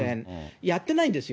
やってないんですよ。